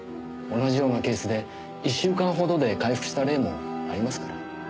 同じようなケースで１週間ほどで回復した例もありますから。